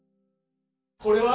これは？